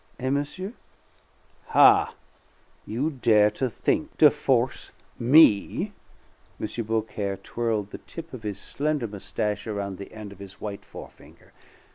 Eh, monsieur?" "Ha! You dare think to force me " M. Beaucaire twirled the tip of his slender mustache around the end of his white forefinger.